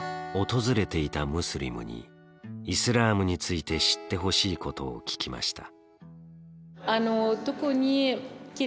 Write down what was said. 訪れていたムスリムにイスラームについて知ってほしいことを聞きました。